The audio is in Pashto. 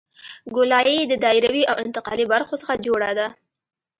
ګولایي د دایروي او انتقالي برخو څخه جوړه ده